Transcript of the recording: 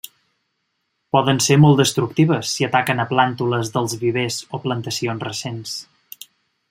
Poden ser molt destructives si ataquen a plàntules dels vivers o plantacions recents.